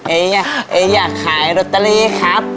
เอ๊เอ๊อยากขายหรอเตอรีครับ